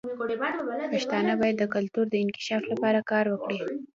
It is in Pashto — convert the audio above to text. پښتانه باید د کلتور د انکشاف لپاره کار وکړي.